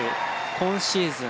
今シーズン